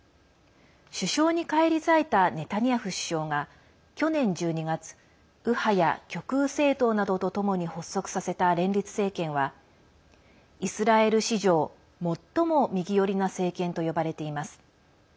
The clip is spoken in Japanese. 首相に返り咲いたネタニヤフ首相が去年１２月右派や極右政党などとともに発足させた連立政権はイスラエル史上最も右寄りな政権と呼ばれています。